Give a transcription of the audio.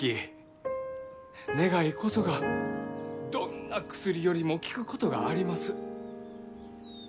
願いこそがどんな薬よりも効くことがあります。